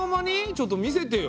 ちょっと見せてよ。